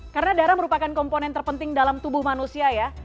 karena darah merupakan komponen terpenting dalam tubuh manusia ya